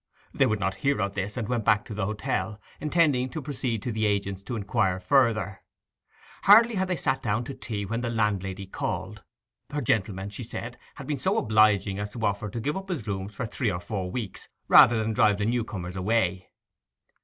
They would not hear of this, and went back to the hotel, intending to proceed to the agent's to inquire further. Hardly had they sat down to tea when the landlady called. Her gentleman, she said, had been so obliging as to offer to give up his rooms for three or four weeks rather than drive the new comers away.